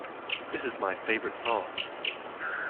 This is my favorite song!